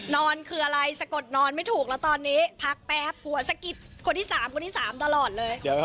นอนคืออะไรสะกดนอนไม่ถูกแล้วตอนนี้พักแป๊บกลัวสะกิดคนที่๓คนที่๓ตลอดเลย